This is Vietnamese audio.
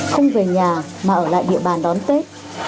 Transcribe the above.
không về nhà mà ở lại địa bàn đón tết